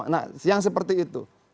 nah yang seperti itu